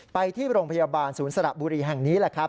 ไปที่โรงพยาบาลศูนย์สระบุรีแห่งนี้แหละครับ